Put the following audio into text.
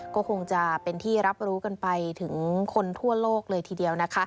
ก็คงจะเป็นที่รับรู้กันไปถึงคนทั่วโลกเลยทีเดียวนะคะ